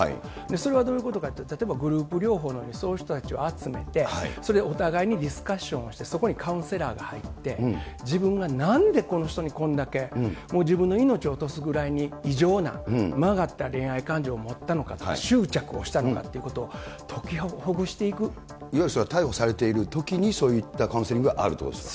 それはどういうことかというと、例えばグループ療法のように、そういう人たちを集めて、それをお互いにディスカッションして、そこにカウンセラーが入って、自分がなんで、この人にこんだけ、もう自分の命を落とすぐらいに、異常な曲がった恋愛感情を持ったのか、執着をしたのかということを、いわゆるそれは逮捕されているときに、そういったカウンセリングがあるということですか？